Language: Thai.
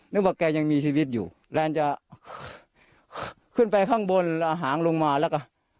นึกว่าแกยังมีชีวิตอยู่แล้วอันจะขึ้นไปข้างบนหางลงมาแล้วก็